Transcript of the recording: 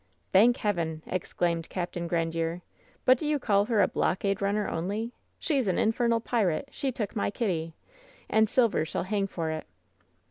"Thank Heaven I" exclaimed Capt. Grandiere. "But do you call her a blockade runner only? She's an in femal pirate! She took my Kitty I And Silver shall hang for it